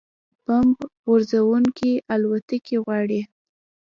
بمب غورځوونکې الوتکې غواړي